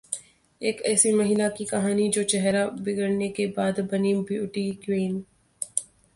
एक ऐसी महिला की कहानी जो चेहरा बिगड़ने के बाद बनी ब्यूटी क्वीन...